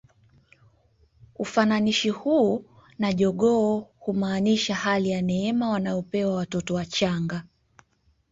Ufananishi huu na jogoo humaanisha hali ya neema wanayopewa watoto wachanga